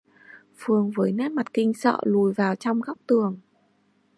Phương với nét mặt kinh sợ lùi vào trong góc tường